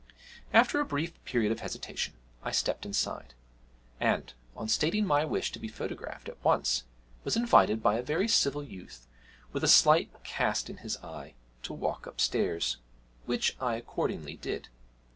After a brief period of hesitation I stepped inside, and, on stating my wish to be photographed at once, was invited by a very civil youth with a slight cast in his eye to walk upstairs, which I accordingly did.